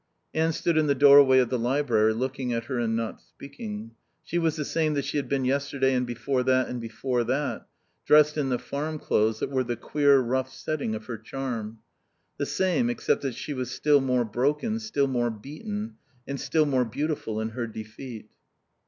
Anne stood in the doorway of the library, looking at her and not speaking. She was the same that she had been yesterday, and before that, and before that; dressed in the farm clothes that were the queer rough setting of her charm. The same, except that she was still more broken, still more beaten, and still more beautiful in her defeat.